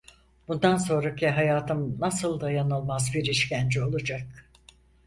Bundan sonraki hayatım nasıl dayanılmaz bir işkence olacak!